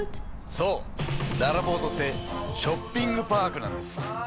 そうららぽーとってショッピングパークなんです。